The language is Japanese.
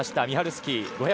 ミハルスキー。